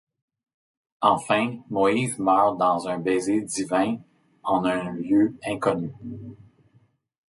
Enfin, Moïse meurt dans un baiser divin, en un lieu inconnu.